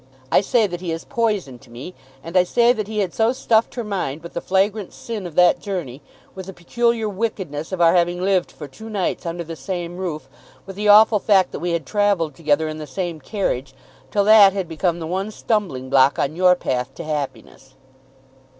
I say that he is poison to me, and I say that he had so stuffed her mind with the flagrant sin of that journey, with the peculiar wickedness of our having lived for two nights under the same roof, with the awful fact that we had travelled together in the same carriage, till that had become the one stumbling block on your path to happiness."